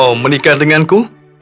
maukah kau menikah denganku